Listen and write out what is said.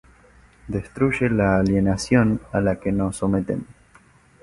destruye la alienación a la que nos someten